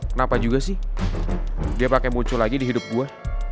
kenapa juga sih dia pakai muncul lagi di hidup gue